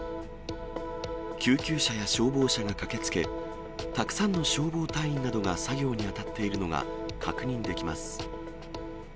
救急車や消防車が駆けつけ、たくさんの消防隊員などが作業に当たっているのが確認できます。